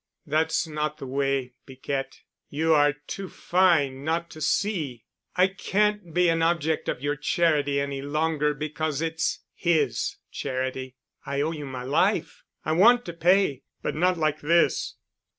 "That's not the way, Piquette. You are too fine not to see. I can't be an object of your charity any longer—because it's his charity. I owe you my life. I want to pay—but not like this.